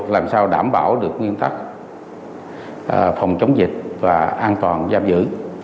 làm sao đảm bảo được nguyên tắc phòng chống dịch và an toàn giam giữ